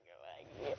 jangan ke gebeb